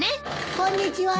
・・こんにちは。